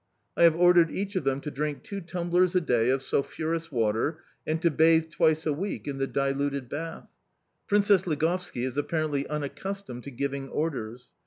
I have ordered each of them to drink two tumblers a day of sulphurous water, and to bathe twice a week in the diluted bath. Princess Ligovski is apparently unaccustomed to giving orders.